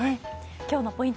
今日のポイント